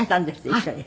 一緒に。